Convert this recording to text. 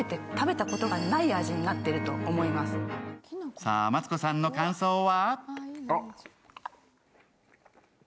さあ、マツコさんの感想は？